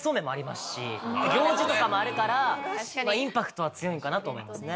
行事とかもあるからインパクトは強いんかなと思いますね。